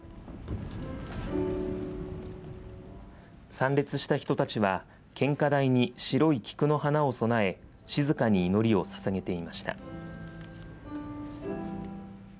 参列した人たちは献花台に白い菊の花を供え静かに祈りをささげていました。